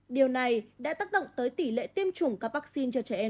điều này đã tác động tới tỷ lệ tiêm chủng các vaccine cho trẻ em